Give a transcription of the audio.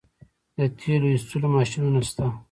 د تیلو ایستلو ماشینونه شته